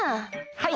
はい！